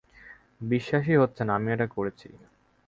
বিশ্বাসই হচ্ছে না আমি এটা করছি।